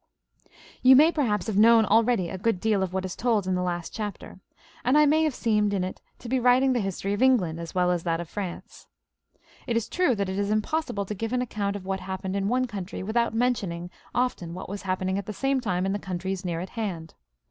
You may perhaps have known already a good deal of what I said in the last chapter, and I may have seemed in it to be writing the history of England, as well as that of France. It is true that it is impossible to give an account of what happened in one oountry without mentioning often what was happening at the same time in the countries near at hand.